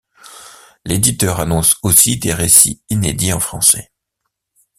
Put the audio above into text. L'éditeur annonce aussi des récits inédits en français.